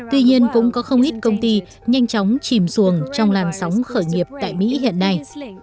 tuy nhiên cũng có không ít công ty nhanh chóng chìm xuồng trong làn sóng khởi nghiệp tại mỹ hiện nay